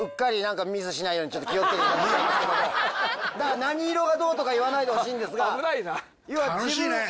何色がどうとか言わないでほしいんですが。